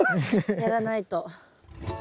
やらないと。